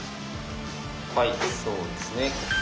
はいそうですね。